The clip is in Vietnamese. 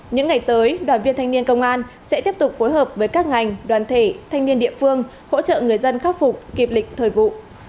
những ngày tới đoàn viên thanh niên công an sẽ tiếp tục phối hợp với các ngành đoàn thể thanh niên địa phương hỗ trợ người dân khắc phục kịp lịch thời vụ